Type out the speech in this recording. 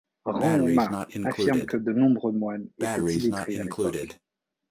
Rong Ma affirme que de nombreux moines étaient illettrés à l'époque.